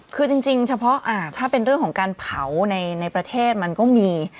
คือจริงเฉพาะถ้าเป็นเรื่องของการเผาในประเทศมันก็มี